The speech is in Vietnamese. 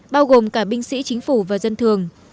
bao gồm cả binh sĩ chính phủ và dân thường